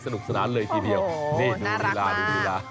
น่ารักมาก